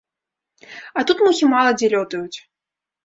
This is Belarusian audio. А тут мухі мала дзе лётаюць.